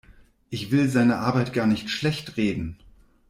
Ich will seine Arbeit gar nicht schlechtreden.